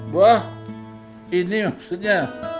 wah ini maksudnya